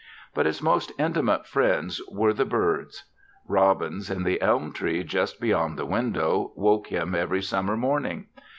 But his most intimate friends were the birds. Robins, in the elm tree just beyond the window, woke him every summer morning.